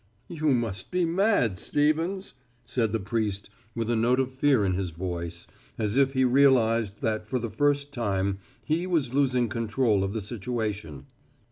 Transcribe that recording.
"You must be mad, Stevens," said the priest with a note of fear in his voice, as if he realized that for the first time he was losing control of the situation.